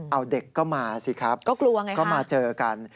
เอาเด็กก็มาสิครับก็มาเจอกันก็กลัวไงครับ